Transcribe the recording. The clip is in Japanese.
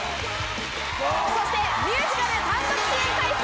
そしてミュージカル単独主演回数